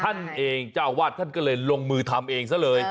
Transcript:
ท่านเองเจ้าอาวาสท่านก็เลยลงมือทำเองซะเลย